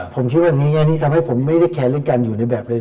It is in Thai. ผมคิดว่าอย่างนี้อันนี้ทำให้ผมไม่ได้แคร์เรียนการอยู่ในแบบเลยนะ